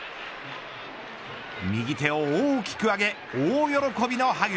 右手を大きく上げ大喜びのハグ。